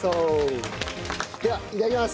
ではいただきます。